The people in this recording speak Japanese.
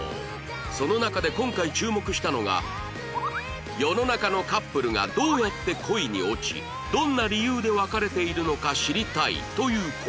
その中で今回注目したのが世の中のカップルがどうやって恋に落ちどんな理由で別れているのか知りたいという声